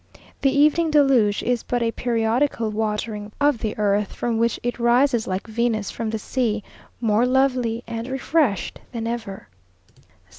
The evening deluge is but a periodical watering of the earth, from which it rises like Venus from the sea, more lovely and refreshed than ever.